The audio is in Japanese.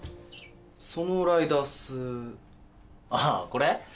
そのライダースああこれ？